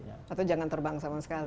atau jangan terbang sama sekali